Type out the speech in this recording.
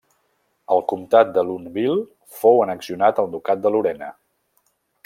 El comtat de Lunéville fou annexionat al ducat de Lorena.